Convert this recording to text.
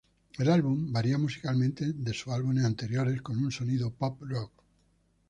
El álbum varía musicalmente de sus álbumes anteriores, con un sonido pop rock.